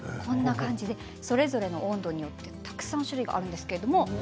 それぞれの温度によってたくさんの種類があります。